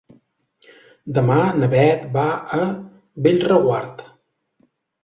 Demà na Beth va a Bellreguard.